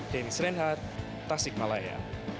denny srenhat tasikmalaya